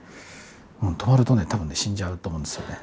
止まるとね、たぶん死んじゃうと思うんですよね。